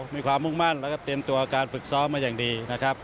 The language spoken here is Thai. มีความมุ่งมั่นแล้วก็เตรียมตัวการฝึกซ้อมมาอย่างดีนะครับ